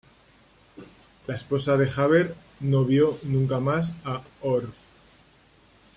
La esposa de Huber no vio nunca más a Orff.